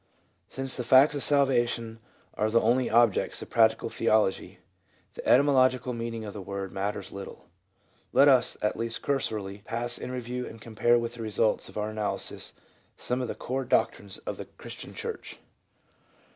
Since the facts of salvation are the only objects of a practi cal theology (the etymological meaning of the word matters little), let us, at least cursorily, pass in review and compare with the results of our analysis some of the core doctrines of the Christian church.